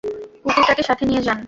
কুকুরটাকে সাথে নিয়ে যান।